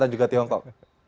dan juga tiongkok